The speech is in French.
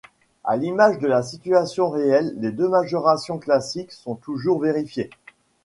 À l'image de la situation réelle, les deux majorations classiques sont toujours vérifiées.